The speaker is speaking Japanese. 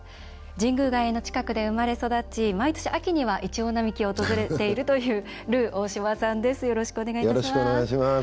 神宮外苑の近くで生まれ育ち毎年秋にはイチョウ並木を訪れているというルー大柴さんです。